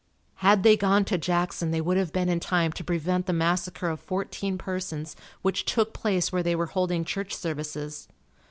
Had they gone to Jackson they would have been in time to prevent the massacre of fourteen persons which took place where they were holding church services.